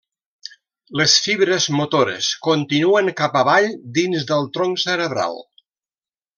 Les fibres motores continuen cap avall dins del tronc cerebral.